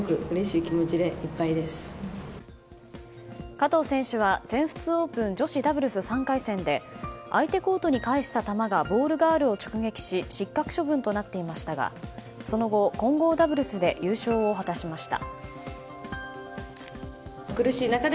加藤選手は全仏オープン女子ダブルス３回戦で相手コートに返した球がボールガールを直撃し失格処分となっていましたがその後、混合ダブルスで優勝を果たしました。